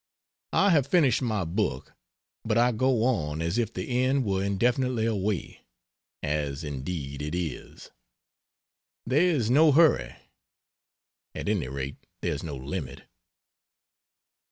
I have finished my book, but I go on as if the end were indefinitely away as indeed it is. There is no hurry at any rate there is no limit.